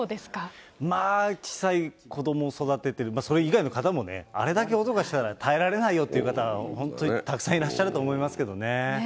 小さい子どもを育ててる、それ以外の方もね、あれだけ音がしたら、耐えられないよっていう方、本当にたくさんいらっしゃると思いますけどね。